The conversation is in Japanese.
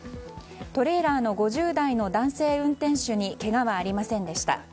トレーラーの５０代の男性運転手にけがはありませんでした。